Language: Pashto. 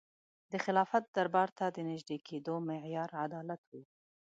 د خلافت دربار ته د نژدې کېدو معیار عدالت و.